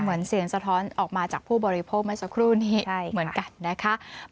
เหมือนเสียงสะท้อนออกมาจากผู้บริโภคเมื่อสักครู่นี้เหมือนกันนะคะ